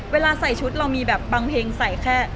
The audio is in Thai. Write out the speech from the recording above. เวลาใส่ชุดเรามีแบบบางเพลงใส่แค่